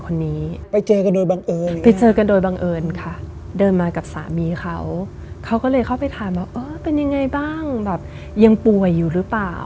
กันโดยบังเอิญค่ะเดินมากับสามีเขาเขาก็เลยเข้าไปถามว่าเออเป็นยังไงบ้างแบบยังป่วยอยู่หรือเปล่า